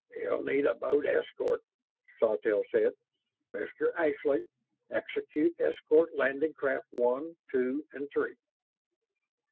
"You'll need a boat escort," Sawtelle said. "Mr. Ashley, execute escort Landing Craft One, Two, and Three."